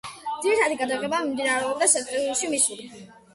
ძირითადი გადაღება მიმდინარეობდა სენტ-ლუისში, მისური.